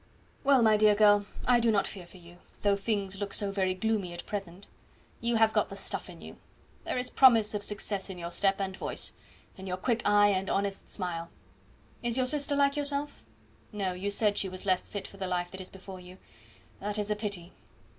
"Well, my dear girl, I do not fear for you, though things look so very gloomy at present. You have got the stuff in you. There is promise of success in your step and voice in your quick eye and honest smile. Is your sister like yourself? no; you said she was less fit for the life that is before you; that is a pity."